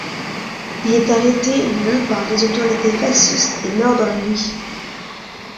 Il est arrêté le par les autorités fascistes et meurt dans la nuit.